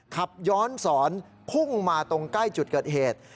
ขับย้อนสอนพุ่งมาตรงใกล้จุดเกิดเหตุ